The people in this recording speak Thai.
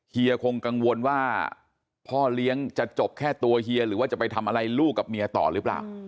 เฮียคงกังวลว่าพ่อเลี้ยงจะจบแค่ตัวเฮียหรือว่าจะไปทำอะไรลูกกับเมียต่อหรือเปล่า